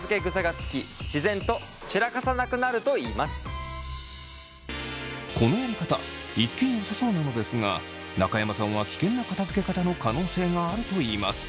更にこのやり方一見よさそうなのですが中山さんは危険な片づけ方の可能性があると言います。